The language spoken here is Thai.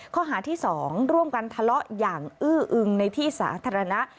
ข้อหาที่๒ร่วมกันทะเลาะอย่างอื้ออึงในที่สาธารณะ